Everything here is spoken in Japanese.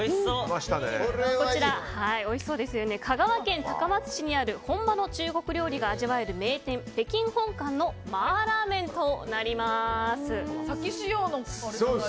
香川県高松市にある本場の中国料理が味わえる名店北京本館の麻辣麺となります。